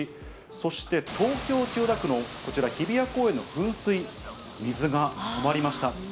そして東京・千代田区のこちら、日比谷公園の噴水、水が止まりました。